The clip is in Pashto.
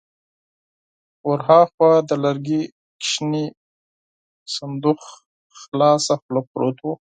ور هاخوا د لرګي کوچينی صندوق خلاصه خوله پروت و.